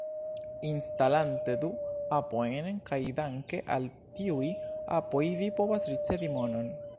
Instalante du apojn, kaj danke al tiuj apoj vi povas ricevi monon